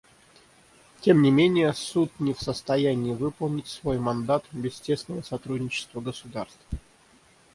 Тем не менее Суд не в состоянии выполнять свой мандат без тесного сотрудничества государств.